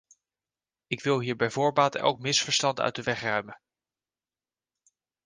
Ik wil hier bij voorbaat elk misverstand uit de weg ruimen.